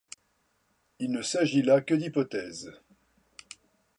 Il ne s'agit là que d'hypothèses.